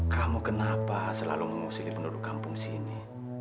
kamu kenapa selalu mengusili penduduk kampung sini